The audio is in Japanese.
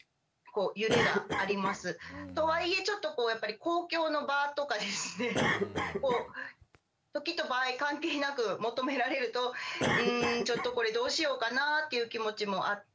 とはいえちょっとやっぱり公共の場とかですね時と場合関係なく求められるとうんちょっとこれどうしようかなぁっていう気持ちもあって。